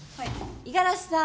五十嵐さん。